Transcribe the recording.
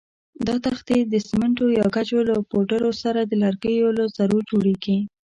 دا تختې د سمنټو یا ګچو له پوډرو سره د لرګیو له ذرو جوړېږي.